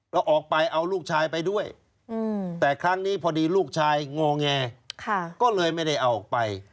แล้วออกไปเอาลูกชายไปด้วยแต่ครั้งนี้พอดีลูกชายงอแงก็เลยไม่ได้เอาออกไป